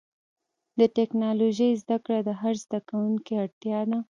د ټکنالوجۍ زدهکړه د هر زدهکوونکي اړتیا ده.